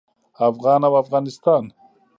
افغان او افغانستان